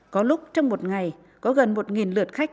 có lúc trong một ngày có gần một lượt khách